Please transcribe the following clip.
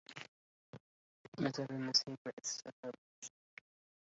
أترى النسيم إذا سرى من نجده